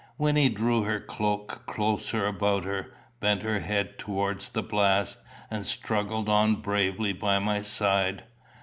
Wynnie drew her cloak closer about her, bent her head towards the blast, and struggled on bravely by my side.